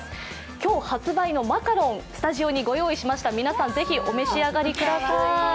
今日発売のマカロンをスタジオに御用意しました是非お召し上がりください。